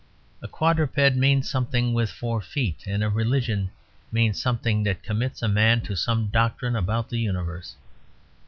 A quadruped means something with four feet; and a religion means something that commits a man to some doctrine about the universe.